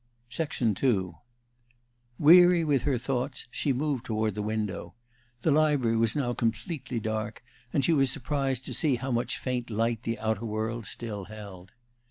II Weary with her thoughts, she moved toward the window. The library was now completely dark, and she was surprised to see how much faint light the outer world still held.